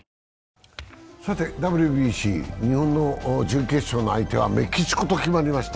さてＷＢＣ、日本の準決勝の相手はメキシコと決まりました。